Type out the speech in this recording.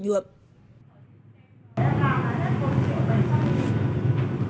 đã làm là hết một triệu bảy trăm linh nghìn đồng